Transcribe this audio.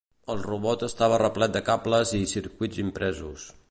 El robot estava replet de cables i circuits impresos.